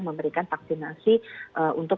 memberikan vaksinasi untuk